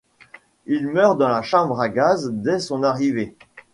Il meurt dans la chambre à gaz dès son arrivée.